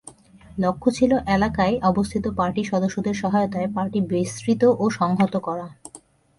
লক্ষ্য ছিল এলাকায় অবস্থিত পার্টি সদস্যদের সহায়তায় পার্টি বিস্তৃত ও সংহত করা।